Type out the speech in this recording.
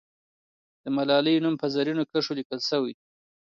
د ملالۍ نوم په زرینو کرښو لیکل سوی.